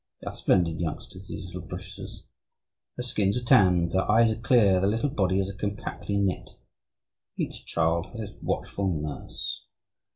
They are splendid youngsters, these little Britishers. Their skins are tanned, their eyes are clear, their little bodies are compactly knit. Each child has its watchful nurse.